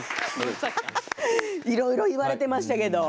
いろいろ言われていましたけど。